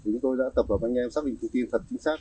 chúng tôi đã tập hợp anh em xác định thông tin thật chính xác